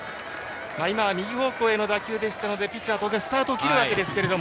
今、右方向への打球でしたので当然スタートを切るわけですが。